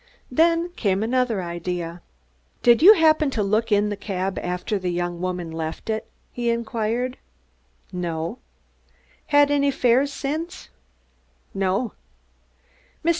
Then came another idea. "Did you happen to look in the cab after the young woman left it?" he inquired. "No." "Had any fares since?" "No."